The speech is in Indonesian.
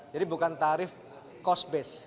jadi bukan tarif cost base